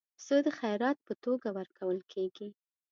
پسه د خیرات په توګه ورکول کېږي.